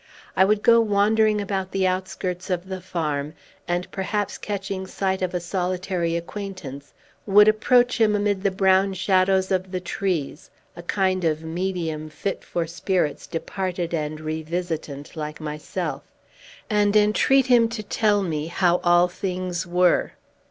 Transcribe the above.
I would go wandering about the outskirts of the farm, and, perhaps, catching sight of a solitary acquaintance, would approach him amid the brown shadows of the trees (a kind of medium fit for spirits departed and revisitant, like myself), and entreat him to tell me how all things were.